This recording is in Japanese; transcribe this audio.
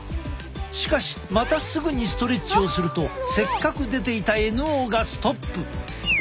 しかしまたすぐにストレッチをするとせっかく出ていたＮＯがストップ！